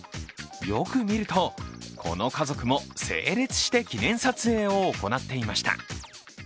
よく見ると、この家族も整列して記念撮影を行っていました。